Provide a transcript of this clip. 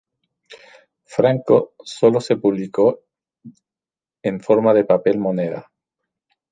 El franco solo se publicó en forma de papel moneda.